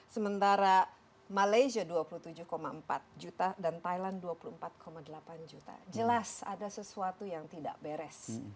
sementara malaysia dua puluh tujuh empat juta dan thailand dua puluh empat delapan juta jelas ada sesuatu yang tidak beres